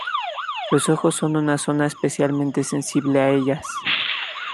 Los ojos son una zona especialmente sensible a ellas.